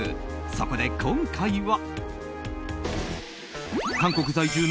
そこで今回は。